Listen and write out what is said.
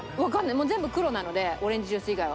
もう全部黒なのでオレンジジュース以外は。